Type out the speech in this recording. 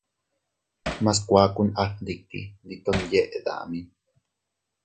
Mas kuakun a fgnditi, ndi ton yeʼe dami.